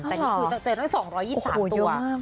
แต่นี่คือเจอทั้ง๒๒๓ตัวโอ้โหเยอะมากค่ะ